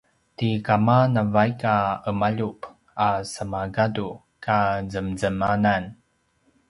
ti kama navaik a ’emaljup a semagadu ka zemzemanan